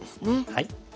はい。